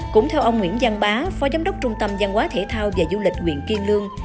cũng theo ông nguyễn giang bá phó giám đốc trung tâm giang hóa thể thao và du lịch quyện kiên lương